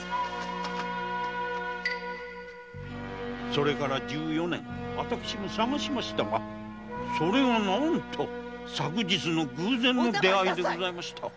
それから十余年私も捜しましたがそれが何と昨日の偶然の出会いでございました。